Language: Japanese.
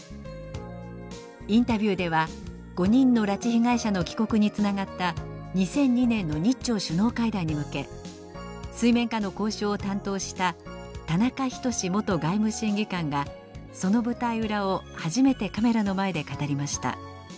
インタビューでは５人の拉致被害者の帰国につながった２００２年の日朝首脳会談に向け水面下の交渉を担当した田中均元外務審議官がその舞台裏を初めてカメラの前で語りました。